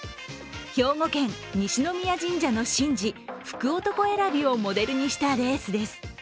兵庫県西宮神社の神事、福男選びをモデルにしたレースです。